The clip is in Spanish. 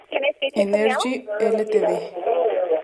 Energy Ltd.